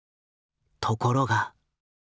ところが。